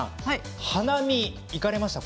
お花見行かれましたか？